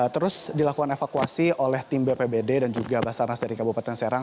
terus dilakukan evakuasi oleh tim bpbd dan juga basarnas dari kabupaten serang